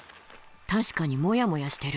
確かにモヤモヤしてる。